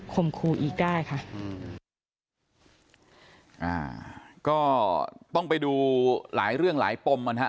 ครูอีกได้ค่ะอืมอ่าก็ต้องไปดูหลายเรื่องหลายปมมันฮะ